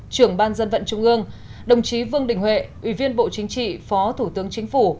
trưởng ban dân vận trung ương đồng chí vương đình huệ ủy viên bộ chính trị phó thủ tướng chính phủ